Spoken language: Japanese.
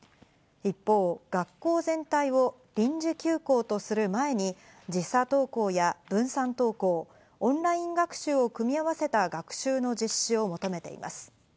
一方、学校全体を臨時休校とする前に時差登校や分散登校、オンライン学習を組み合わせた学習の実施を求めています。